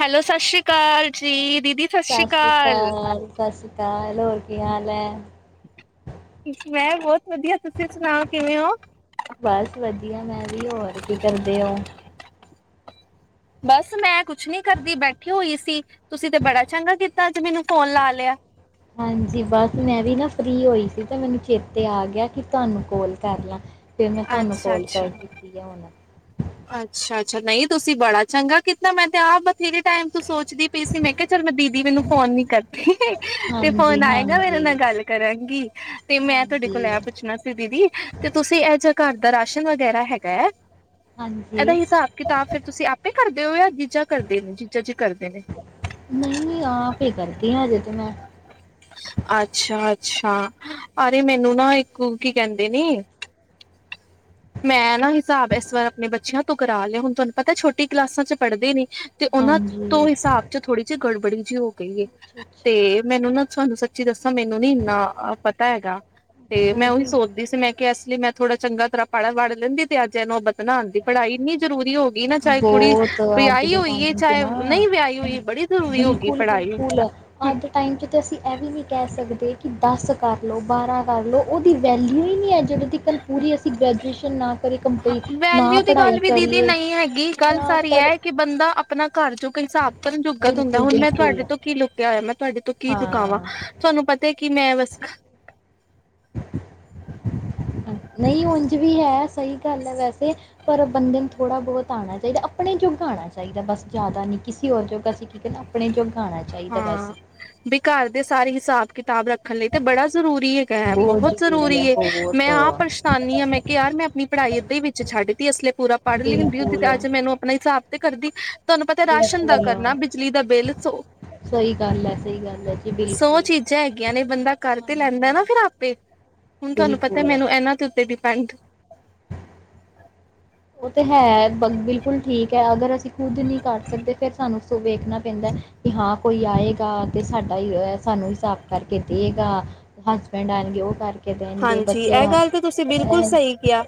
Hello, ਸਤਿ ਸ੍ਰੀ ਅਕਾਲ। ਛੀ [unintelligible] ਸਤਿ ਸ਼੍ਰੀ ਅਕਾਲ ਸਤਿ ਸ਼੍ਰੀ ਅਕਾਲ, ਹੋਰ ਕੀ ਹਾਲ ਐ? ਮੈਂ ਬਹੁਤ ਵਧੀਆ, ਤੁਸੀਂ ਸੁਣਾਓ ਕਿਵੇਂ ਹੋ? ਬਸ, ਵਧੀਆ ਮੈਂ ਵੀ, ਹੋਰ ਕੀ ਕਰਦੇ ਹੋ? ਬਸ, ਮੈਂ ਕੁਛ ਨੀ ਕਰਦੀ, ਬੈਠੀ ਹੋਈ ਸੀ, ਤੁਸੀਂ ਤੇ ਬੜਾ ਚੰਗਾ ਕੀਤਾ, ਅੱਜ ਮੈਨੂੰ ਫੋਨ ਲਾ ਲਿਆ। ਹਾਂਜੀ, ਬਸ ਮੈਂ ਵੀ ਨਾ ਫ੍ਰਰੀ ਹੋਈ ਸੀ, ਤੇ ਮੈਨੂੰ ਚੇਤੇ ਆ ਗਿਆ ਕਿ ਤੁਹਾਨੂੰ ਕੋਲ ਕਰ ਲਾਂ। ਫਿਰ ਮੈਂ ਤੁਹਾਨੂੰ ਕਾਲ ਕਰ ਕੀਤੀ ਆ ਹੁਣ। ਅੱਛਾ-ਅੱਛਾ, ਨਹੀਂ ਤੁਸੀਂ ਬੜਾ ਚੰਗਾ ਕਿੱਤਾ ਮੈਂ ਤੇ ਆਪ ਬਥੇਰੇ ਟਾਈਮ ਤੋ ਸੋਚਦੀ ਪਈ ਸੀ, ਮੈਂ ਕਿਹਾ ਚੱਲ ਮੈਂ ਦੀਦੀ ਮੈਨੂੰ ਫੋਨ ਨੀ ਕਰਦੀ। ਤੇ ਹਾਂਜੀ ਫੋਨ ਆਏਗਾ, ਮੈਂ ਇਹਨਾਂ ਹਾਂਜੀ। ਨਾਲ ਗੱਲ ਕਰਾਂਗੀ, ਤੇ ਮੈਂ ਤੁਹਾਡੇ ਹਾਂਜੀ ਕੋਲ ਐ ਪੁੱਛਣਾ ਸੀ, ਦੀਦੀ ਤੇ ਤੁਸੀਂ ਇਹ ਜਿਹਾ ਘਰ ਦ ਰਾਸ਼ਨ ਵਗੈਰਾ ਹੈਗਾ ਹੈ। ਹਾਂਜੀ ਇਹਦਾ, ਹਿਸਾਬ-ਕਿਤਾਬ, ਫਿਰ ਤੁਸੀਂ ਆਪੇ ਕਰ। ਉਹ ਆ ਜੀਚਾ ਕਰਦੇ ਨੇ ਚੀਚਾ ਚ [unintelligible] ਨਹੀਂ, ਆਪ ਹੀ ਕਰਤੀ ਹਾਂ, ਹਜੇ ਤੇ ਮੈਂ। ਅੱਛਾ ਅੱਛਾ ਅਰੇ, ਮੈਨੂੰ ਨਾ, ਇੱਕ ਕੀ ਕਹਿੰਦੇ ਨੇ, ਮੈਂ ਨਾ ਹਿਸਾਬ ਇਸ ਵਾਰ ਆਪਣੇ ਬੱਚ ਚਿਆਂ ਤੂੰ ਕਰਾ ਲਿਆ, ਹੁਣ ਤੁਹਾਨ ਪਤਾ, ਛੋਟੀ ਕਲਾਸਾਂ ਚ ਪੜਦੇ ਨੇ। ਤੇ ਉਹਨਾਂ ਤੋਂ ਹਾਂਜੀ। ਹਿਸਾਬ 'ਚ ਥੋੜੀ ਜਿਹੀ ਗੜਬੜੀ ਜ ਏ, ਅੱਛਾ ਅੱਛਾ ਤੇ ਮੈਨੂੰ ਨਾ, ਤੁਹਾਨੂੰ ਸੱਚੀ ਦੱਸਾਂ, ਮੈਨੂੰ ਨੀ ਇੰਨਾ ਪਤਾ ਹੈਗਾ, ਤੇ ਅੱਛਾ ਮੈਂ ਉਹੀ ਜੀ ਸੋਚਦੀ ਸੀ, ਮੈਂ ਕਿਹਾ, ਇਸ ਲਈ ਮੈਂ ਥੋੜਾ ਚੰਗਾ ਤਰਾ ਪੜ੍ਹ-ਵੜ ਲੈਂਦੀ, ਤੇ ਅੱਜ ਇਹ ਨੋਬਤ ਨਾ ਆਂਦੀ। ਪੜਾਈ ਨਹੀਂ। ਬਹੁਤ ਅੱਜ ਦੇ ਹੋਈ ਏ ਟਾਈਮ ਚ ਚਾਹੇ ਨਾ, ਨਹੀਂ ਵਿਆਹੀ ਹੋਈ ਬੜੀ ਜ਼ਰੂਰੀ ਹੋ ਗਈ ਪੜ੍ਹਾਈ। ਬਿਲਕੁਲ-ਬਿਲਕੁਲ ਅੱਜ ਦੇ ਟਾਈਮ ਚ ਤਾਂ ਅਸੀਂ ਇਹ ਵੀ ਨਹੀ ਕਹਿ ਸਕਦੇ ਕਿ ਦਸ ਕਰ ਲਓ, ਬਾਹਰਾਂ ਕਰ ਲਓ, ਉਹਦੀ ਵੈਲਊ ਈ ਨਹੀਂ ਇਹ ਜਤੋ ਤਿਕਨ ਪੂਰੀ ਅਸੀਂ ਗ੍ਰੈਜੂਏਸ਼ਨ ਨਾ ਕਰੀਏ, ਕੰਪਲੀ ਨਾ ਵੈਲਿਊ ਦੀ ਗੱਲ ਪੜ੍ਹਾਈ ਵੀ ਦੀਦੀ ਕਰੀਏ। ਨਹੀਂ ਹੈਗੀ ਗੱਲ ਨਾ ਸਾਰੀ, ਪਰ ਹੈ ਕਿ ਬੰਦਾ ਆਪਣਾ। ਘਰ ਚੋ ਕਈ ਹਿਸਾਬ ਕਰਨ-ਜੁੱਗਤ ਹੁੰਦਾ, ਬਿਲਕੁਲ ਹੁਣ ਮੈਂ ਬਿਲਕੁਲ ਤੁਹਾਡੇ ਤੋਂ ਕੀ ਲੁਕਿਆ ਹੋਇਆ? ਮੈਂ ਤੁਹਾਡੇ ਤੋਂ ਕੀ ਚੁਕਾਵਾਂ, ਹਾਂ ਤੁਹਾਨੂੰ ਪਤਾ। ਕਿ ਮੈਂ ਬਸ [unintelligible] ਨਹੀਂ, ਉੰਝ ਵੀ ਹੈ। ਸਹੀ ਗੱਲ ਹੈ ਵੈਸੇ ਪਰ ਬੰਦੇ ਨੂੰ ਥੋੜਾ-ਬਹੁਤ ਆਣਾ ਚਾਹੀਦਾ, ਆਪਣੇ ਜੋਗਾ ਆਣਾ ਚਾਹੀਦਾ ਬਸ, ਜ਼ਿਆਦਾ ਨੀ ਕਿਸੇ ਹੋਰ ਜੋਗਾ ਅਸੀਂ ਕੀ ਕਰਨਾ? ਆਪਣੇ ਜੋਗਾ। ਆਉਣਾ ਚਾਹੀਦਾ ਬਸ ਹਾਂ ਬਈ, ਘਰ ਦੇ ਸਾਰੇ। ਹਿਸਾਬ-ਕਿਤਾਬ ਰੱਖ। ਹਲੇ ਤੇ ਬੜਾ ਜ਼ਰੂਰੀ ਹੈਗਾ ਹੈ, ਬਹੁਤ ਜ਼ਰੂਰੀ ਏ ਮੈਂ ਆਪ ਪਰੇਸ਼ਾਨੀ ਹਾਂ ਮੈਂ ਕਿਹਾ, ਯਾਰ ਮੈਂ ਆਪਣੀ ਪੜ੍ਹਾਈ ਏਧਾਂ ਹੀ ਵਿੱਚ ਛੱਡਤੀ ਏ ਇਸ ਲਈ ਪੂਰਾ ਪੜ੍ਹ-ਲਿਖ ਤੀ ਹੁੰਦੀ, ਬਿਲਕੁਲ ਅੱਜ ਮੈਨੂੰ ਆਪਣਾ ਹਿਸਾਬ ਤੇ ਕਰਦੀ ਅਹ? ਤੁਹਾਨੂੰ ਪਤਾ, ਰਾਸ਼ਨ ਦਾ ਬਿਲਕੁਲ ਕਰਨਾ, ਬਿਜਲੀ ਦਾ ਬਿੱਲ, ਸੋ ਸਹੀ ਗੱਲ ਹੈ ਸਹੀ ਗੱਲ ਹੈ ਜੀ ਸੌ ਬਿਲਕੁਲ ਚੀਜ਼ਾਂ ਹੈਗੀਆਂ ਨੇ ਬੰਦਾ ਕਰ ਤੇ ਲੈਂਦਾ ਹਾਂਜੀ ਨਾ ਫ਼ਿਰ ਆਪੇ। ਹੁਣ ਤੁਹਾਨੂੰ ਪਤਾ ਬਿਲਕੁਲ ਮੈਨੂੰ ਇਹਨਾਂ ਦੇ ਉੱਤੇ ਡਿਪੈਂਡ ਉਹ ਤੇ ਹੈ ਬ-ਬਿਲਕੁਲ ਠੀਕ ਐ, ਅਗਰ ਅਸੀਂ ਖੁੱਦ ਨਹੀਂ ਕਰ ਸਕਦੇ, ਫਿਰ ਸਾਨੂੰ ਉਸ ਵੇਖਣਾ ਪੈਂਦਾ ਐ ਕਿ ਹਾਂ ਕੋਈ ਆਏਗਾ ਤੇ ਸਾਡਾ ਈ ਸਾਨੂੰ ਹੀ ਸਾਫ਼ ਕਰਕੇ ਦੇਗਾ। ਹਸਬੈਂਡ ਆਣਗੇ ਉਹ ਕਰਕੇ ਦੇਣਗੇ, ਹਾਂਜੀ ਬੱਚੇ ਇਹ ਆਣ ਗੱਲ ਤਾਂ ਤੁਸੀਂ ਬਿਲਕੁਲ ਹੈਂ ਸਹੀ ਕਿਹਾ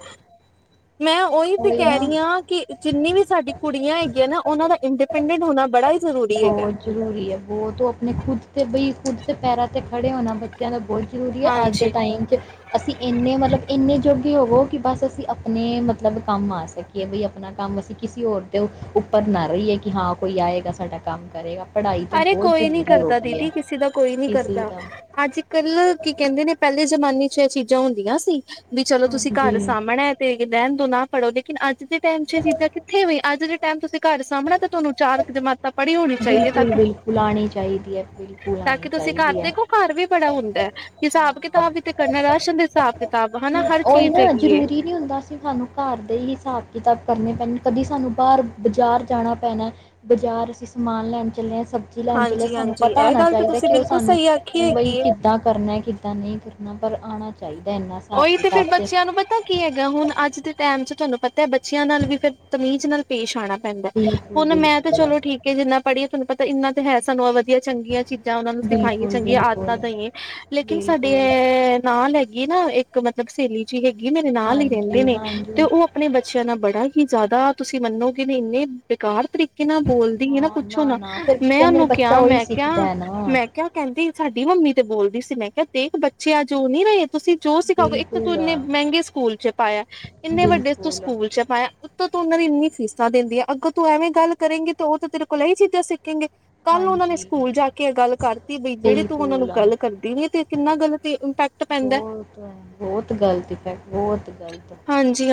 ਮੈਂ ਉਹੀ ਤੇ ਕਹਿ ਰਹੀ ਹਾਂ ਕਿ ਜਿੰਨੀ ਵੀ ਸਾਡੀ ਕੁੜੀਆਂ ਹੈਗੀਆਂ ਨਾ ਉਹਨਾਂ ਦਾ ਇੰਡੀਪੈਂਡੈਂਟ ਹੋਣਾ ਬੜਾ ਹੀ ਜ਼ਰੂਰੀ ਹੈਗਾ ਬਹੁਤ ਜ਼ਰੂਰੀ ਹੈ ਵੋ ਤੋਹ ਆਪਣੇ ਖੁਦ ਤੇ ਬਈ ਖੁਦ ਦੇ ਪੈਰਾਂ ਅਤੇ ਖੜ੍ਹੇ ਹੋਣਾ ਬੱਚਿਆਂ ਦਾ ਬਹੁਤ ਜ਼ਰੂਰੀ ਆ ਅੱਜ ਦੇ ਹਾਂਜੀ ਟਾਈਮ 'ਚ ਅਸੀਂ ਇੰਨੇ ਮਤਲਬ ਇੰਨੇ ਜੋ ਹੋਵੋ ਕਿ ਬਸ ਅਸੀਂ ਆਪਣੇ ਮਤਲਬ ਕੰਮ ਆ ਸਕੀਏ ਭਈ ਆਪਣਾ ਕੰਮ ਅਸੀਂ ਕਿਸੇ ਹੋਰ ਦੇ ਉੱਪਰ ਨਾ ਰਹੀਏ ਕਿ ਹਾਂ ਕੋਈ ਆਏਗਾ ਸਾਡਾ ਕੰਮ ਕਰੇਗਾ ਪੜ੍ਹਾਈ ਤਾਂ ਅਰੇ ਬਹੁਤ ਕੋਈ ਨੀ ਜ਼ਰੂਰੀ ਹੋ ਕਰਦਾ ਗਈ ਦੀਦੀ ਹੈ ਕਿਸੇ ਦਾ ਕੋਈ ਨੀ ਕਿਸੇ ਕਰਦਾ ਦਾ ਅੱਜ ਕੱਲ ਕੀ ਕਹਿੰਦੇ ਨੇ ਪਹਿਲ ਲੇ ਜ਼ਮਾਨੇ ਚ ਇਹ ਚੀਜ਼ਾਂ ਹੁੰਦੀਆਂ ਸੀ। ਵੀ ਚਲੋ ਤੁਸੀਂ ਹਾਂਜੀ ਘਰ ਸਾਹਮਣਾ ਤੇ ਰਹਿਣ ਦੋ ਨਾ ਪੜੋ ਲੇਕਿਨ ਅੱਜ ਦੇ ਟਾਈਮ ਚ ਇਹ ਚੀਜ਼ਾਂ ਕਿਥੇਂ ਵੇ ਟਾਈਮ ਤੁਸੀਂ ਘਰ ਸਾਹਮਣਾ ਤੇ ਤੁਹਾਨੂੰ ਚਾਰ ਕੁ ਦਿਮਾਗ ਤਾਂ ਪੜ੍ਹੀ ਹੋਣੀ ਚਾਹੀਦੀ ਹੈ ਤਾਂ ਬਿਲਕੁਲ ਕਿ ਬਿਲਕੁਲ ਆਉਣੀ ਚਾਹੀਦੀ ਹੈ-ਬਿਲਕੁਲ ਤਾਂ ਆਉਣੀ ਕਿ ਤੁਸੀਂ ਘਰ ਚਾਹੀਦੀ ਹੈ ਦੇਖੋ ਘਰ ਵੀ ਬੜਾ ਹੁੰਦਾ ਹੈ ਹਿਸਾਬ ਹਾਂ ਕਿਤਾਬ ਵੀ ਤੇ ਕਰਨਾ ਰ ਸ਼ਨ ਦੇ ਹਿਸਾਬ ਕਿਤਾਬ ਹਨਾ ਹਰ ਉਹੀ ਚੀਜ਼ ਨਾ ਹੈਗੀ ਏ। ਜਰੂਰੀ ਨੀ ਹੁੰਦਾ ਅਸੀਂ ਸਾਨੂੰ ਘਰ ਦੇ ਹੀ ਹਿਸਾਬ ਕਿਤਾਬ ਕਰਨੇ ਪੈਣੀ ਕਦੀ ਸਾਨੂੰ ਬਾਹਰ ਬਜ਼ਾਰ ਜਾਣਾ ਪੈਣਾ ਬਜ਼ਾਰ ਅਸੀਂ ਸਮਾਨ ਲੈਣ ਚੱਲੇ ਹਾਂ ਸਬਜ਼ੀ ਲੈਣ ਚੱਲਿਆ ਹਾਂਜੀ ਸਾਨੂੰ ਹਾਂਜੀ ਪਤਾ ਇਹ ਹੋਣਾ ਗੱਲ ਤਾਂ ਚਾਹੀਦਾ ਤੁਸੀਂ ਕਿ ਉਹ ਬਿਲਕੁਲ ਸਾਨੂੰ ਸਹੀ ਆਖੀ ਬਈ ਹੈਗੀ ਏ। ਕਿੱਦਾਂ ਕਰਨਾ ਕਿੱਦਾਂ ਨਹੀਂ ਕਰਨਾ [inaudible] ਪਰ ਆਣਾ ਚਾਹੀਦਾ ਹਿਸਾਬ ਉਹੀ ਤੇ ਫਿਰ ਕਿਤਾਬ ਬੱਚਿਆਂ ਨੂੰ ਪਤਾ ਕੀ ਹੈਗਾ ਹੁਣ ਅੱਜ ਦੇ ਟਾਈਮ ਚ ਤੁਹਾਨੂੰ ਪਤਾ ਹੈ ਬੱਚਿਆਂ ਨਾਲ ਵੀ ਫਿਰ ਤਮੀਜ਼ ਨਾਲ ਪੇਸ਼ ਆਣਾ ਪੈਂਦਾ ਬਿਲਕੁਲ ਹੁਣ ਮੈਂ ਤੇ ਬਿਲਕੁਲ ਚਲੋ ਠੀਕ ਹੈ ਜਿੰਨਾ ਪੜ੍ਹੀਏ ਤੁਹਾਨੂੰ ਪਤਾ ਤੇ ਇੰਨਾ ਤੇ ਹੈ ਸਾਨੂੰ ਅਵ ਦੀਆਂ ਚੰਗੀਆਂ ਚੀਜ਼ਾਂ ਉਹਨਾਂ ਨੂੰ ਸਿਖਾਈਏ ਬਿਲਕੁਲ ਚੰਗੀਆਂ ਬਿਲਕੁਲ ਆਦਤਾਂ ਦਯਿਏ ਲੇਕਿਨ ਸਾਡੇ ਬਿਲਕੁਲ ਐ ਨਾਲ ਹੈਗੀ ਨਾ ਇੱਕ ਮਤਲਬ ਸਹੇਲੀ ਜੀ ਹੈ ਗੀ ਮੇਰੇ ਨਾਲ ਹੀ ਰਹਿੰਦੇ ਹਾਂਜੀ ਨੇ ਤੇ ਹਾਂਜੀ ਉਹ ਆਪਣੇ ਬੱਚੇ ਆਂ ਨਾ ਬੜਾ ਹੀ ਜ਼ਿਆਦਾ ਤੁਸੀਂ ਮੰਨੋਗੇ ਨੀ ਇੰਨੇ ਬੇਕਾਰ ਤਰੀ ਕੇ ਨਾ ਬੋਲਦੀ ਏ ਨਾ ਹਾਂ ਪੁੱਛੋ ਨਾ ਫਿਰ ਮੈਂ ਕਹਿੰਦੇ ਨੇ ਉਹਨੂੰ ਬੱਚਾ ਕਿਹਾ ਉਹੀ ਮੈਂ ਸਿੱਖਦਾ ਕਿਹਾ ਹੈ ਨਾ ਮੈਂ ਕਿਹਾ ਕਹਿੰਦੀ ਸਾਡੀ ਮੰਮੀ ਤੇ ਬੋਲਦੀ ਸੀ ਮੈਂ ਕਿਹਾ ਦੇਖ ਬੱਚੇ ਅੱਜ ਉਹ ਨੀ ਰਹੇ ਤੁਸੀ ਜੋ ਸਿਖਾਉਗੇ ਇੱਕ ਤਾਂ ਤੂੰ ਬਿਲਕੁਲ ਇੰਨੇ ਮਹਿੰਗੇ ਸਕੂਲ ਚ ਪਾਇਆ ਇੰਨੇ ਵੱਡੇ ਤੂੰ ਬਿਲਕੁਲ ਸਕੂਲ ਚ ਪਾਇਆ ਉਤੋਂ ਤੂੰ ਉਹਨਾਂ ਦੀ ਇੰਨੀ ਫੀਸਾਂ ਦਿੰਦੀ ਆ ਅਗੋਂ ਤੂੰ ਐਵੇਂ ਗੱਲ ਕਰੇਂਗੀ ਤ ਉਹ ਤਾਂ ਤੇਰੇ ਕੋਲ ਇਹੀ ਚੀਜ਼ਾਂ ਸਿੱਖ ਖੇਂਗੇ ਕੱਲ ਨੂੰ ਉਹਨਾਂ ਨੇ ਹਾਂਜੀ ਸਕੂਲ ਜਾ ਕੇ ਗੱਲ ਕਰਤੀ ਬਈ ਜਿਹੜੇ ਤੂੰ ਉਹਨਾਂ ਨੂੰ ਬਿਲਕੁਲ ਗੱਲ ਕਰਦੀਂ ਏ ਤੇ ਕਿੰਨਾ ਗਲਤ ਇੰਪੈਕਟ ਪੈਂਦਾ ਬਹੁਤ ਬਹੁਤ ਗਲਤ ਇਫੈਕਟ ਬਹੁਤ ਗਲਤ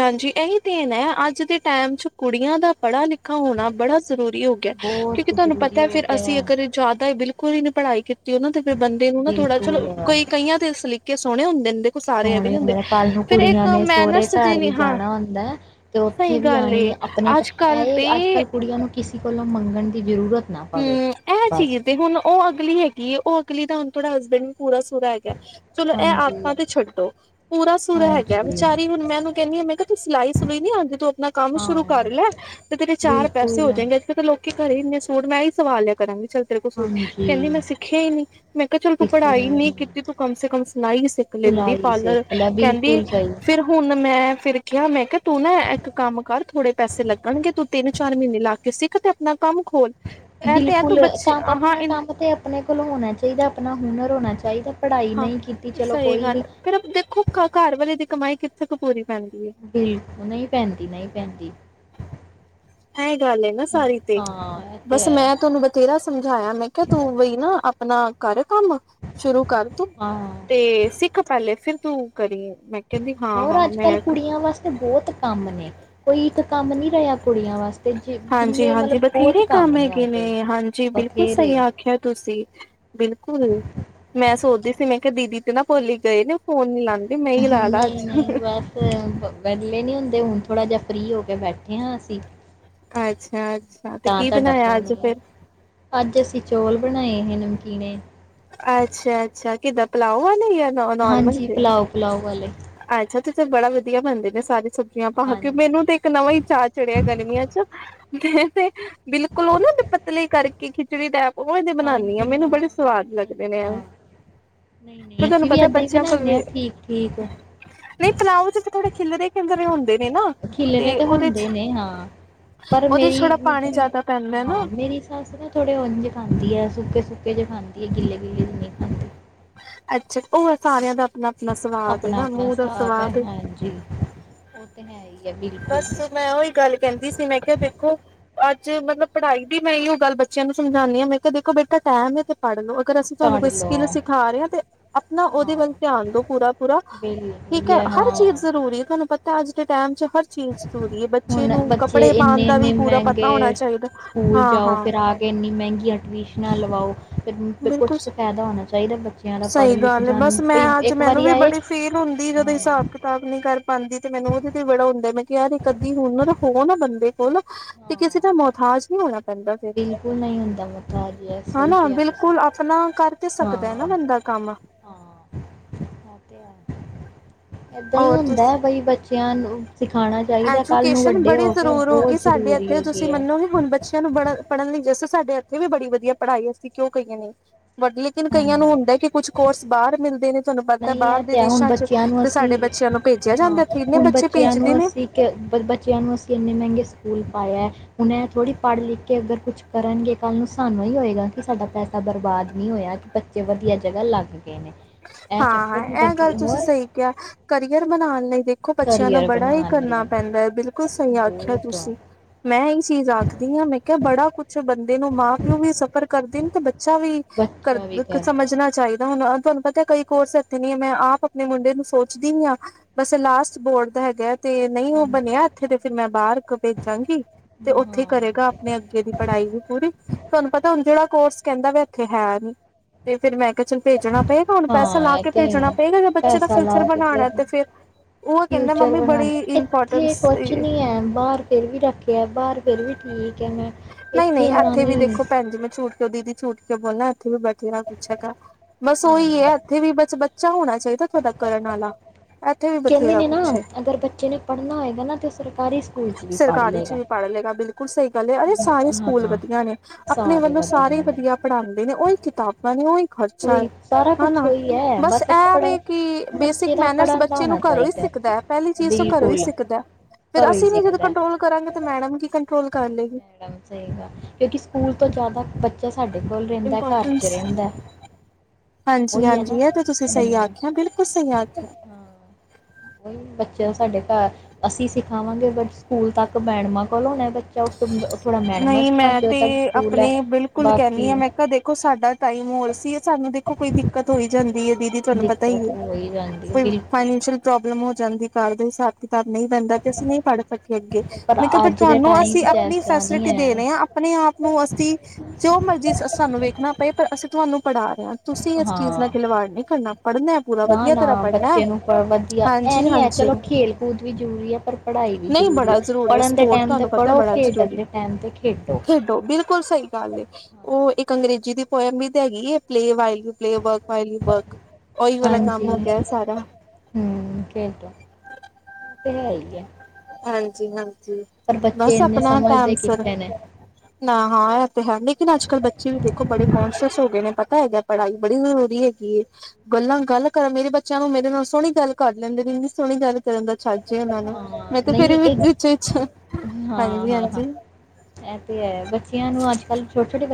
ਹਾਂਜੀ ਇਹੀ ਦੇਣ ਹੈ ਅੱਜ ਦੇ ਟਾਈਮ ਚ ਕੁੜੀਆਂ ਦਾ ਪੜ੍ਹਾ ਲਿਖ ਾ ਹੋਣਾ ਬੜਾ ਜ਼ਰੂਰੀ ਹੋ ਗਿਆ ਕਿਉਂਕਿ ਬਹੁਤ ਤੁਹਾਨੂੰ ਪਤਾ ਜ਼ਰੂਰੀ ਹੈ ਹੋ ਫਿਰ ਗਿਆ ਅਸੀਂ ਆ ਅਗਰ ਜ਼ਿਆਦਾ ਬਿਲਕੁ ਕੁੜੀ ਨੇ ਪੜ੍ਹਾਈ ਕੀ ਉਹ ਨਾ ਤੇ ਫਿਰ ਬੰਦੇ ਨੂੰ ਨਾ ਥੋੜਾ ਚਲੋ ਬਿਲਕੁਲ ਕੋਈ ਕਈਆਂ ਤੇ ਸਲੀ ਸੋਹਣੇ ਹੁੰਦੇ ਨੇ ਦੇਖੋ ਸਾਰੇ ਇਹ ਵੀ ਸੋਹਣੇ ਨੀ ਹੁੰਦੇ ਨੇ ਕੱਲ ਨੂੰ ਫਿਰ ਕੁੜੀਆਂ ਇੱਕ ਨੇ ਸਹੁਰੇ ਮੈਨਰਸ ਜੇ ਘਰ ਵੀ ਨੀ ਹਾਂ ਜਾਣਾ ਹੁੰਦੈ ਤੇ ਸਹੀ ਉੱਥੇ ਵੀ ਗੱਲ ਏ ਆਉਣੀ ਆਪਣੇ ਅੱਜ ਕੱਲ ਇਹ ਅੱਜ ਤੇ ਕੱਲ ਕੁੜੀਆਂ ਨੂੰ ਕਿਸੇ ਕੋਲੋਂ ਮੰਗਣ ਦੀ ਜ਼ਰੂਰਤ ਨਾ ਪਵੇ ਹਮ ਇਹ ਬਸ ਚੀਜ਼ ਤੇ ਹੁਣ ਉਹ ਅਗਲੀ ਹੈਗੀ ਉਹ ਅਗਲੀ ਤਾਂ ਹੁਣ ਥੋੜਾ ਹਸਬੈਂਡ ਪੂਰਾ ਸੁਰ ਹੈਗਾ ਚਲੋ ਇਹ ਹਾਂਜੀ ਆਪਾ ਤੇ ਛੱਡੋ ਪੂਰਾ ਸੁਰਾ ਹੈਗਾ ਹਾਂਜੀ ਵਿਚਾਰੀ ਹੁਣ ਮੈਂ ਇਹਨੂੰ ਕਹਿੰਨੀ ਹਾਂ ਮੈਂ ਕਿਹਾ ਸਿਲਾਈ ਸਲੂਈ ਨੀ ਆਂਉਦੀ ਤੋ ਆਪਣਾ ਕੰਮ ਸ਼ੁਰੂ ਹਾਂ ਕਰ ਲੈ ਤੇ ਤੇਰੇ ਚਾਰ ਪੈਸੇ ਬਿਲਕੁਲ ਹੋ ਜਾਏਗੇ ਅੱਜ ਕੱਲ ਤਾਂ ਲੋਕ ਘਰੇ ਹੀ ਇੰਨੇ ਮੈਂ ਹੀ ਸਵਾ ਲਿਆ ਕਰਾਂਗੀ ਚੱਲ ਤੇਰੇ ਕੋ ਸੂਟ ਹਾਂਜੀ ਕਹਿੰਦੀ ਮੈਂ ਸਿੱਖਿਆ ਹੀ ਨੀ ਮੈਂ ਕਿਹਾ ਚਲ ਤੂੰ ਸਿੱਖ ਪੜ੍ਹਾਈ ਲੈ ਨੀ ਕੀਤੀ ਤੂੰ ਕਮ ਸੇ ਕਮ ਸਲਾਈ ਸਿੱਖ ਲੈਂਦੀ ਸਿਲਾਈ ਪਾਰਲਰ ਸਿੱਖ ਲੈ ਕਹਿੰਦੀ ਬਿਲਕੁਲ ਸਹੀ ਫਿਰ ਹੁਣ ਮੈਂ ਫੇਿਰ ਕਿਹਾ ਮੈਂ ਕਿਹਾ ਤੂੰ ਨਾ ਇੱਕ ਕੰਮ ਕਰ ਥੋੜੇ ਪੈਸੇ ਲੱਗਣਗੇ ਤੂੰ ਤਿੰਨ ਚਾਰ ਮਹੀਨੇ ਲਾ ਕੇ ਸਿੱਖ ਤੇ ਆਪਣਾ ਕੰਮ ਖੋਲ ਇਹ ਤੇ ਹੈ ਤੂੰ ਬਿਲਕੁਲ ਬੱਚੇ ਕੰਮ ਹਾਂ ਆਪਣਾ ਕੰਮ ਤੇ ਆਪਣੇ ਕੋਲ ਹੋਣਾ ਚਾਹੀਦਾ ਆਪਣਾ ਹੁਨਰ ਹੋਣਾ ਚਾ ਚਾਹੀਦਾ ਪੜ੍ਹਾਈ ਹਾਂ, ਨਹੀਂ ਕੀਤੀ ਚਲੋ ਸਹੀ ਕੋਈ ਗੱਲ ਨੀ। ਐ ਫਿਰ ਦੇਖੋ ਘ ਘਰ ਵਾਲੇ ਦੀ ਕਮਾਈ ਕੀ ਕਿਥੋ ਪੂਰੀ, ਪੈਂਦੀ ਬਿਲਕੁਲ ਨਹੀਂ ਪੈਂਦੀ ਨਹੀਂ ਪੈਂਦੀ। ਹੈਂ, ਗੱਲ ਨਾ ਸਾਰੀ ਤੇ ਹਾਂ, ਇਹ ਬਸ ਹੈ। ਮੈਂ ਤੇ ਉਨੂੰ ਬਥੇਰਾ ਸਮਝਾਇਆ ਮੈਂ ਕਿਹਾ ਤੂੰ ਬਈ ਨਾ ਆ। ਆਪਣਾ ਘਰ, ਕੰਮ ਸ਼ੁਰੂ ਕਰ ਤੂੰ ਹਾਂ, ਤੇ ਸਿੱਖ ਪਹਿਲੇ ਫਿਰ, ਤੂੰ ਕਰੀਏ ਹੋਰ ਅੱਜ ਕੱਲ੍ਹ ਕੁੜੀਆਂ ਵਾਸਤੇ ਬਹੁਤ ਕੰਮ ਨੇ ਕੋਈ ਇੱਕ ਕੰਮ ਨੀ ਰਿਹਾ ਕੁੜੀਆਂ ਵਾਸਤੇ ਜ ਜਿੰਨੇ ਹਾਂਜੀ-ਹਾਂਜੀ, ਮਤਲਬ ਬਹੁਤ ਬਥੇਰੇ ਕੰਮ ਹੈਗੇ ਅੱਜ ਦੇ। ਨੇ ਹਾਂਜੀ ਬਿਲਕੁਲ ਬਥੇਰੇ ਸਹੀ ਆਖਿਆ ਤੁਸੀਂ ਬਿਲਕੁਲ ਮੈਂ ਸੋਚਦੀ ਮੈਂ ਕਿਹਾ ਦੀਦੀ ਤੇ ਨਾ ਭੋਲੀ ਹੀ ਗਏ ਨੇ ਫੋਨ ਨੀ ਲ ਨਹੀਂ-ਨਹੀਂ ਬਸ ਬਦਲੇ ਨਹੀਂ ਹੁੰਦੇ। ਤੇ ਹੁਣ ਥੋੜ੍ਹਾ ਜਿਹਾ ਫਰੀ ਹੋ ਕੇ ਬੈਠੇ ਹਾਂ ਅਸੀਂ। ਅੱਛਾ-ਅੱਛਾ ਤੇ ਤਾਂ ਕੀ ਤੁਹਾਡਾ ਬਣਾਇਆ ਫੋਨ ਅੱਜ ਆਇਆ। ਫਿਰ। ਅੱਜ ਅਸੀਂ ਚੌਲ ਬਣਾਏ ਹੈ ਨਮਕੀਨ। ਅੱਛਾ-ਅੱਛਾ, ਕਿੱਦਾਂ ਪੁਲਾਓ ਵਾਲੇ ਅ ਹਾਂਜੀ, ਪਲਾਓ-ਪੁਲਾਓ ਵਾਲੇ। ਉਥੇ ਤੇ ਬੜਾ ਵਧੀਆ ਬਣਦੇ ਨੇ ਸਾਰੇ ਸਬ ਸਬਜ਼ੀਆਂ ਪਾ ਕੇ ਹਾਂਜੀ ਮੈਨੂੰ ਤੇ ਇੱਕ ਨਵਾਂ ਹੀ ਚਾਅ ਚੜਿਆ ਗਰਮੀਆਂ ਚ। ਤੇ ਬਿਲਕੁਲ ਉਹਨਾਂ ਦੇ ਪਤਲੇ ਕਰਕੇ ਖਿਚੜੀ ਟੈਪ। ਉਹ ਦੇ ਬਣਾਨੀ ਆ ਹਾਂਜੀ ਮੈਨੂੰ ਹਾਂ ਬੜੇ ਸਵਾਦ ਅੱਛਾ ਲੱਗਦੇ ਨੇ ਅੱਛਾ ਨਹੀਂ ਫਿਰ ਨਹੀਂ ਤੁਹਾਨੂੰ ਅਸੀਂ ਵੀ ਪਤਾ ਏਦਾਂ ਹੀ ਬੱਚਿਆਂ ਕੋਲ ਬਣਾਉਂਦੇ ਵੀ ਹਾਂ ਠੀਕ ਠੀਕ ਨਹੀਂ ਪਲਾਓ ਥੋੜੇ ਖਿਲਰੇ-ਖਿਲਰੇ ਖਿਲਰੇ ਤੇ ਹੁੰਦੇ ਨੇ। ਹਾਂ, ਪਰ ਉਹਦੇ ਚ ਮੇਰੀ ਥੋੜਾ ਪਾਣੀ ਜਿਆਦਾ ਪੈਂਦਾ ਹਾਂ ਨਾ ਮੇਰੀ ਸੱਸ ਨਾ ਥੋੜੇ ਉਝ ਖਾਂਦੀ ਹੈ, ਸੁੱਕੇ-ਸੁੱਕ। ਸੁੱਕੇ ਜੇ ਖਾਂਦੀ ਹੈ ਗਿਲੇ-ਗਿੱਲੇ ਨਹੀਂ ਖਾਂਦੀ। ਅੱਛਾ, ਉਹ ਸਾਰਿਆਂ ਦਾ ਆਪਣਾ-ਆਪਣਾ ਸਵਾਦ ਹੈ ਆਪਣਾ ਨਾ, ਆਪਣਾ ਮੂੰਹ ਦਾ ਹਿਸਾਬ ਹੈ ਸਵਾਦ ਹਾਂਜੀ ਉਹ ਤੇ ਹੈ ਹੀ। ਹੈ ਬਿਲਕੁਲ ਬਸ ਜੀ ਮੈਂ ਉਹੀ ਗੱਲ ਕਹਿੰਦੀ ਸੀ। ਮੈਂ ਕਿਹਾ ਦੇੇਖੋ ਅੱਜ ਚ ਮਤਲਬ ਪੜ੍ਹਾਈ ਦੀ ਮੈਂ ਇਹੋ ਗੱਲ ਬੱਚਿਆਂ ਨੂੰ ਸਮਝਾਉਂਦੀ ਹਾਂ, ਮੈਂ ਕਿਹਾ ਦੇਖੋ ਬੇਟਾ ਟਾਈਮ ਏ ਤੇ ਪਾੜ ਲਓ। ਅਗਰ ਅਸੀਂ ਤੁਹਾਨੂੰ ਪਾੜ ਕੋਈ ਲਓ ਸਕਿੱਲ ਸਿਖਾ ਰਹੇ ਹਾਂ, ਤੇ ਆਪਣਾ ਉਹਦੇ ਹਾਂ ਵੱਲ ਧਿਆਨ ਦੋ ਪੂਰਾ-ਪੂਰਾ ਬਿਲਕੁਲ ਠੀਕ ਹੈ। ਜੀ ਹਰ ਚੀਜ਼ ਹਾਂ ਜ਼ਰੂਰੀ ਹੈ ਤੁਹਾਨੂੰ ਪਤਾ ਅਜ ਦੇ ਟਾਈਮ ਚ ਬੱਚੇ ਹੁਣ ਨੂੰ ਬੱਚੇ ਕੱਪੜੇ ਪਾਉਣ ਦਾ ਵੀ ਇੰਨੇ-ਇੰਨੇ ਪੂਰਾ ਪਤਾ ਹੋਣਾ ਮਹਿੰਗੇ ਚਾਹੀਦਾ ਸਕੂਲ ਹਾਂ ਜਾਓ, ਹਾਂ ਫਿਰ ਆ ਕੇ ਇੰਨੀ ਮਹਿੰਗੀ ਟੂਇਸ਼ਨ ਨਾ ਲਵਾਓ। ਫਿਰ ਕੁਛ ਬਿਲਕੁਲ ਤਾਂ ਫਾਇਦਾ ਹੋਣਾ ਚਾਹੀਦਾ ਬੱਚਿਆਂ ਦਾ ਪੜ੍ਹ ਸਹੀ ਲਿਖ ਗੱਲ ਹੈ ਜਾਣ ਬਸ ਮੈਂ ਬਈ ਅੱਜ ਇੱਕ ਮੈਨੂੰ ਵਾਰੀ ਵੀ ਆਏ ਬੜੀ ਫੀਲ ਹੁੰਦੀ ਜਦੋਂ ਹਾਂ ਹਿਸਾਬ ਕਿਤਾਬ ਨੀ ਕਰ ਪਾਦੀ ਤੇ ਮੈਨੂੰ ਉਹਦੇ ਤੇ ਬੜਾ ਹੁੰਦਾ। ਮੈਂ ਕਿਹਾ ਨੀ ਕਦੀ ਹੁਣ ਹੁਨਰ ਹੋ ਨਾ ਬੰਦੇ ਕੋਲ ਤੇ ਕਿਸੇ ਹਾਂ ਦਾ ਮੋਹਥਾਜ ਨਹੀਂ ਹੋਣਾ ਪੈਂਦਾ ਫਿਰ ਬਿਲਕੁਲ ਨਹੀਂ ਹੁੰਦਾ ਮੁਹਤਾਜ ਇਹ ਸਹੀ ਕਿਹਾ ਤੁਸੀਂ। ਕੋਲ ਆਪਣਾ ਕਰ ਤੇ ਸਕਦਾ ਹੈ ਨਾ ਹਾਂ ਬੰਦਾ ਕੰਮ। ਹਾਂ ਇਹ ਤੇ ਹੈ ਏਦਾਂ ਹੀ ਹੋਰ ਤੁਸ ਹੁੰਦਾ ਬਈ ਬੱਚ ਬੱਚਿਆਂ ਨੂੰ ਸਿਖਾਣਾ ਚਾਹੀਦਾ, ਕੱਲ੍ਹ ਨੂੰ ਐਜੂਕੇਸ਼ਨ ਵੱਡੇ ਬੜੀ ਹੋ ਕੇ ਜ਼ਰੂਰ ਹੋ ਗਈ ਬਹੁਤ ਸਾਡੇ ਜ਼ਰੂਰੀ ਇੱਥੇ ਤੁਸੀਂ ਹੈਗੇ ਐ। ਮੰਨੋਗੇ ਹੁਣ ਬੱਚਿਆਂ ਨੂੰ ਬੜਾ ਪੜ੍ਹਨ ਲਈ ਜੈਸੇ ਸਾਡੇ ਇਥੇ ਵੀ ਬੜੀ ਵਧੀਆ ਪੜ੍ਹਾਈ ਐ, ਅਸੀਂ ਕਿਉਂ ਕਹੀਏ ਨੇ। ਵੱਧ, ਲੇਕਿਨ ਕਈਆਂ ਨੂੰ ਹਾਂ ਹੁੰਦਾ ਕਿ ਕੁਛ ਕੋਰਸ ਬਾਹਰ ਮਿਲ ਤੁਹਾਨੂੰ ਪਤਾ ਨਹੀਂ ਹੈ ਬਾਹਰ ਦੇ ਤੇ ਹੁਣ ਦੇਸ਼ਾਂ ਚ, ਬੱਚਿਆਂ ਨੂੰ ਤੇ ਸਾਡੇ ਅਸੀਂ ਬੱਚਿਆਂ ਨੂੰ ਭੇਜਿਆ ਹਾਂ ਜਾਂਦਾ ਥੇ ਏਨੇ ਹੁਣ ਬੱਚੇ ਬੱਚਿਆਂ ਭੇਜਦੇ ਨੂੰ ਨੇ ਅਸੀਂ ਕਿ, ਬ ਬੱਚਿਆਂ ਨੂੰ ਅਸੀਂ ਐਨੇ ਮਹਿੰਗੇ ਸਕੂਲ ਪਾਇਆ। ਹੁਣ ਏਹ ਥੋੜ੍ਹੀ ਪੜ ਲਿਖ ਕੇ ਅਗਰ ਕੁੱਝ ਕਰਨ ਗੇ, ਕੱਲ ਨੂੰ ਸਾਨੂੰ ਹੋਏਗਾ ਕਿ ਸਾਡਾ ਪੈਸਾ ਬਰਬਾਦ ਨਹੀਂ ਹੋਇਆ, ਕਿ ਬੱਚੇ ਤੇ ਵਧੀਆ ਜਗ੍ਹਾ ਲੱਗ ਗਏ ਨੇ। ਇਹ ਚੱਕਰ ਹਾਂ-ਹਾਂ, ਵੀ ਏਹ ਗੱਲ ਵਧੀਆ ਤੁਸੀਂ ਹੋਰ ਸਹੀ ਕਿਹਾ, ਕਰੀਅਰ ਬਣਾਉਣ ਲਈ ਦੇਖ ਦੇਖੋ ਬੱਚਿਆਂ ਨੂੰ ਕਰੀਅਰ ਬੜਾ ਹੀ ਬਣਾਉਣ ਲਈ ਕਰਨਾ ਪੈਂਦਾ ਐ, ਬਿਲਕੁਲ ਸਹੀ ਆਖਿਆ ਬਹੁਤ ਤੁਸੀਂ ਮੈਂ ਇਹੀ ਚੀਜ਼ ਆਖਦੀ ਆ, ਮੈਂ ਕਿਹਾ ਬੜਾ ਕੁਛ ਦੇ ਨੂੰ ਮਾਂ ਪਿਓ ਵੀ ਸਫ਼ਰ ਕਰਦੇ ਨੇ ਤੇ ਬੱਚ ਅੱਛਾ ਵੀ, ਕਰ ਬੱਚਾ ਵੀ ਕਰਦਾ ਹੈ। ਸਮਝਣਾ ਚਾਹੀਦਾ ਹੁਣ ਤੁਹਾਨੂੰ ਪਤਾ ਕਈ ਕੋਰਸ ਇੱਥੇ ਨਈਂ ਆ। ਮੈਂ ਆਪ ਆਪਣੇ ਮੁੰਡੇ ਨੂੰ ਸੋਚਦੀ ਆ, ਬਸ ਲਾਸਟ ਬੋਰਡ ਦਾ ਹੈਗਾ ਆ। ਤੇ ਨਈ ਉਹ ਹਾਂਜੀ ਬਣਿਆ ਇੱਥੇ ਤੇ ਫਿਰ ਮੈਂ ਬਾਹਰ ਭੇਜਾਂਗੀ ਤੇ ਉੱਥੇ ਹੀ ਹਾਂ ਕਰੇਗਾ, ਆਪਣੇ ਅੱਗੇ ਦੀ ਪੜ੍ਹਾਈ ਵੀ ਪੂਰੀ। ਤੁਹਾਨੂੰ ਪਤਾ ਹੁਣ ਜਿਹੜਾ ਕੋਰਸ ਕਹਿੰਦਾ ਵੀ ਐਥੇ ਹੈ ਨੀ, ਤੇ ਫਿਰ ਮੈਂ ਕਿਹਾ ਚਲ ਭੇ ਹਾਂ ਇਹ ਤੇ ਹੈ, ਜੇ ਬੱਚੇ ਦਾ ਪੈਸਾ ਲਾ ਫਿਊਚਰ ਕੇ ਫਿਰ, ਬਣਾਉਣਾ ਤੇ ਉਹ ਕਹਿੰਦਾ ਫਿਊਚਰ ਮੰਮੀ ਬੜੀ ਬਣਾਉਣਾ। ਇੱਥੇ ਇੰਪੋਰਟੈਂਸ ਕੁਛ ਨੀ ਐ, ਬਾਹਰ ਫਿਰ ਵੀ ਰੱਖਿਆ, ਬਾਹਰ ਫਿਰ ਵੀ ਠੀਕ ਐ। ਮੈਂ ਨਹੀਂ ਇੱਥੇ ਨਹੀਂ ਇਨਾ ਨੀ। ਕੇ ਬੋਲਾ, ਇੱਥੇ ਵੀ ਬਥੇਰਾ ਕੁਛ ਹੈਗਾ। ਸੋ ਈ ਹਾਂਜੀ ਐ, ਇੱਥੇ ਵੀ ਬਸ ਬਚ ਅੱਛਾ ਹੋਣਾ ਚਾਹੀਦਾ, ਤੁਹਾਡਾ ਕਰਨ ਆਲਾ। ਕਹਿੰਦੇ ਨੇ ਨਾ, ਅਗਰ ਬੱਚੇ ਨੇ ਪੜ੍ਹਨਾ ਹੋਏਗਾ ਨਾ ਤੇ ਸਰਕਾਰੀ ਸਕੂਲ ਚ ਵੀ ਪੜ੍ਹ ਸਰਕਾਰੀ ਚ ਲਏਗਾ। ਵੀ ਪੜ੍ਹ ਲਏਗਾ ਬਿਲਕੁਲ ਸਹੀ ਗੱਲ ਹੈ, ਅਰੇ ਸਾਰੇ ਹਾਂ ਸਕੂਲ ਹਾਂ ਵਧੀਆ ਨੇ ਆਪਣੇ ਵੱਲੋਂ ਸਾਰੇ ਵਧੀਆ ਪੜ੍ਹਾਉਂਦੇ ਨੇ ਓਹੀ ਕਿਤਾਬਾਂ ਨੇ ਉਈ ਖਰਚ ਉਹੀ ਸਾਰਾ ਕੁਛ ਹਨਾ, ਉਹੀ ਹੈ ਬਸ ਇੱਕ ਪੜ੍ਹਨ ਐਵੇ ਕਿ ਬੱਚੇ ਬੇਸਿਕ ਦਾ ਮੈਨਰਸ ਪੜ੍ਹਨ ਦਾ ਬੱਚੇ ਨੂੰ ਹੋਣਾ ਘਰੋਂ ਈ ਚਾਹੀਦਾ ਸਿੱਖਦਾ, ਪਹਿਲੀ ਚੀਜ਼ ਤੋਂ ਘਰੋਂ ਈ ਬਿਲਕੁਲ ਸਿੱਖਦਾ, ਫ਼ੇਰ ਘਰੋਂ ਹੀ ਅਸੀਂ ਨੀ ਜਦ ਸਿੱਖਦਾ ਕੰਟਰੋਲ ਕਰਾਂਗੇ ਤਾਂ ਮੈਡਮ ਕੀ ਕੰਟ ਮੈਡਮ ਸਹੀ ਗੱਲ ਐ, ਕਿਉਂਕਿ ਸਕੂਲ ਤੋਂ ਜ਼ਿਆਦਾ ਬੱਚੇ ਇੰਪੋਰਟੈਨਸ, ਹਾਂਜੀ ਉਹੀ ਹੈ ਹਾਂਜੀ ਨਾ ਏਹ ਤਾਂ ਤੁਸੀਂ ਸਹੀ ਹਮ ਆਖਿਆ, ਬਿਲਕੁਲ ਸਹੀ ਆਖਿਆ। ਹਾਂ ਉਹੀ ਬੱਚੇ ਸਾਡੇ ਘਰ, ਅਸੀਂ ਸਿਖਾਵਾਂਗੇ ਬਟ ਸਕੂਲ ਤੱਕ ਮੈਡਮਾਂ ਕੋਲੋਂ ਹੋਣੇ ਨਹੀਂ ਮੈਂ ਤੇ ਤੱਕ ਸਕੂਲ ਹੈ ਆਪਣੇ ਬਿਲਕੁਲ ਬਾਕੀ ਕਹਿੰਨੀ ਆ, ਮੈਂ ਕਿਹਾ ਦੇਖੋ ਸਾਡਾ ਟਾਈਮ ਹੋਰ ਸੀ, ਸਾਨੂੰ ਦੇਖੋ ਕੋਈ ਦਿੱਕਤ ਹੋਈ ਜਾਂਦੀ ਐ। ਦੀ ਤੁਹਾਨੂੰ ਪਤਾ ਈ ਦਿੱਕਤ ਐ, ਹੋ ਹੀ ਜਾਂਦੀ ਹੈ ਕੋਈ ਬਿਲਕੁਲ ਫਾਇਨੈਸ਼ੀਅਲ ਪ੍ਰੋਬਲਮ ਹੋ ਜਾਂਦੀ ਕਰਦੇ ਹਿਸਾਬ ਤੇ ਨਹੀਂ ਪੈਂਦਾ ਕਿ ਅਸੀਂ ਨਹੀਂ ਪੜ੍ਹ ਸਕੇ ਅੱਗੇ ਮੈਂ ਕਿਹਾ ਪਰ ਅੱਜ ਦੇ ਤੁਹਾਨੂੰ ਅਸੀਂ ਟਾਈਮ 'ਚ ਆਪਣੀ ਐਸਾ ਨਹੀਂ ਫੈਸਲਿਟੀ ਦੇ ਰਹੇ ਹਾਂ ਹੈ ਆਪਣੇ ਆਪ ਨੂੰ ਅਸੀਂ ਜੋ ਮਰਜ਼ੀ ਸਾਨੂੰ ਵੇਖਣਾ ਪਏ ਪਰ ਅਸੀਂ ਤੁਹਾਨੂੰ ਪੜਾ ਰਹੇ ਹਾਂ ਤੁਸੀਂ ਇਸ ਚੀਜ਼ ਨਾਲ ਹਾਂ ਖਿਲਵਾੜ ਨਹੀਂ ਕਰਨਾ ਪੜ੍ਹਨਾ ਪੂਰਾ ਨਾ ਵਧੀਆ ਤਰ੍ਹਾਂ ਨਾ ਪੜ੍ਹਨਾ ਬੱਚੇ ਨੂੰ ਵਧੀਆ ਇਹ ਹਾਂਜੀ ਨੀ ਹੈ ਹਾਂਜੀ ਚਲੋ ਖੇਲ ਕੂਦ ਵੀ ਜ਼ਰੂਰੀ ਹੈ ਪਰ ਪੜ੍ਹਾਈ ਵੀ ਜ਼ਰੂਰੀ ਹੈ ਪੜਨ ਦੇ ਟਾਈਮ ਤੇ ਤਾਂ ਪੜ੍ਹੋ ਬੜਾ ਖੇਡਣ ਜ਼ਰੂਰੀ ਦੇ ਟਾਈਮ 'ਤੇ ਖੇਡੋ ਬਿਲਕੁਲ ਸਹੀ ਉਹ ਹਾਂਜੀ ਇੱਕ ਅੰਗਰੇਜ਼ੀ ਦੀ ਪੋਇਮ ਵੀ ਤਾਂ ਹੈਗੀਏ play while play work while you work ਉਹੀ ਵਾਲਾ ਹਾਂਜੀ ਕੰਮ ਹੋ ਗਿਆ ਸਾਰਾ ਹਮ ਕਿ ਤ ਤੇ ਹੈ ਹੀ ਆ ਹਾਂਜੀ ਹਾਂਜੀ ਬਸ ਇੰਨੇ ਆਪਣਾ ਸਮਝਦੇ ਟੈਮਸ ਕਿੱਥੇ ਨੇ ਨਾ ਹਾਂ ਇਹ ਤੇ ਹੈ ਲੇਕਿਨ ਅੱਜ ਕੱਲ ਬੱਚੇ ਵੀ ਦੇਖੋ ਬੜੇ ਕੋਂਸ਼ਅਸ ਹੋ ਗਏ ਨੇ ਤਾ ਹੈਗਾ ਪੜ੍ਹਾਈ ਬੜੀ ਜ਼ਰੂਰੀ ਹੈਗੀ ਗੱਲਾਂ ਗੱਲ ਕਰਨ ਮੇਰੇ ਬੱਚਿਆਂ ਨੂੰ ਮੇਰੇ ਨਾਲ ਸੋਹਣੀ ਗੱਲ ਕਰ ਲੈਂਦੇ ਨੇ ਇੰਨੀ ਸੋਹਣੀ ਗੱਲ ਕਰਨ ਦਾ ਛੱਜੀੇ ਉਹਨਾਂ ਨੇ ਹਾਂ ਨਹੀਂ ਇਹ ਹਾਂ ਹਾਂ ਹਾਂਜੀ-ਹਾਂਜੀ ਹਾਂਜੀ ਹਾਂ ਹਾਂਜੀ ਇਹ ਤੇ ਹੈ ਬੱਚਿਆਂ ਨੂੰ ਅੱਜ ਕੱਲ ਛੋਟੇ-ਛੋਟੇ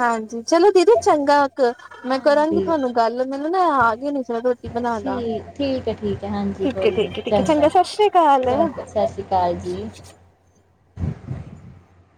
ਹਾਂਜੀ ਚਲੋ ਦੀਦੀ ਚੰਗਾ ਮੈਂ ਕਰਾਂਗੀ ਹਾਂਜੀ ਤੁਹਾਨੂੰ ਗੱਲ ਮੈਨੂੰ ਨਾ ਆ ਗ ਨ ਸੀ ਰੋਟੀ ਬਣਾ ਦਾ ਠੀਕ ਠੀਕ ਹੈ ਠੀਕ ਹੈ ਹਾਂਜੀ ਠੀਕ ਹੈ ਕੋਈ ਨਹੀਂ ਠੀਕ ਚੰਗਾ ਸਤਿ ਸ੍ਰੀ ਅਕਾਲ ਚੰਗਾ ਸਤਿ ਸ਼੍ਰੀ ਅਕਾਲ ਜੀ [inaudible]